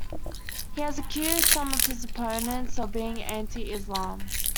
He has accused some of his opponents of being anti-Islam.